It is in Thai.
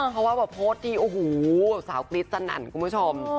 เพราะว่าแบบโพสต์ทีโอ้โหสาวกรี๊ดสนั่นคุณผู้ชม